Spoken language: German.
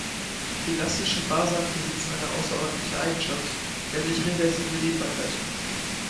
Elastische Fasern besitzen eine außerordentliche Eigenschaft, nämlich reversible Dehnbarkeit.